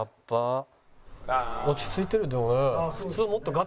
「落ち着いてるでもね。